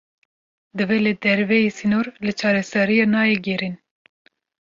Divê li derveyî sînor, li çareseriyê neyê gerîn